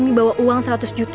kita harus notekan dia